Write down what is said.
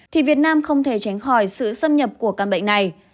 thì việt nam không thể tránh khỏi sự xâm nhập của căn bệnh này